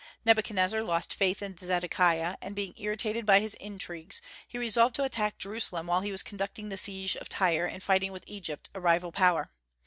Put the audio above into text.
Nebuchadnezzar lost faith in Zedekiah; and being irritated by his intrigues, he resolved to attack Jerusalem while he was conducting the siege of Tyre and fighting with Egypt, a rival power.